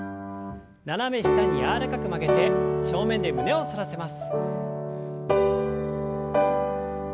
斜め下に柔らかく曲げて正面で胸を反らせます。